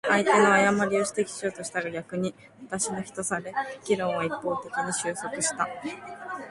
相手の誤りを指摘しようとしたが、逆に私の非とされ、議論は一方的に収束した。